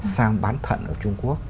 sang bán thuận ở trung quốc